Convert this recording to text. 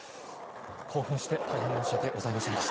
興奮して大変申し訳ございませんでした。